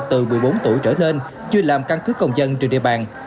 từ một mươi bốn tuổi trở lên chưa làm căn cứ công dân trên địa bàn